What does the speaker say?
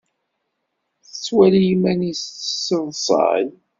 Tettwali iman-nnes tesseḍsay?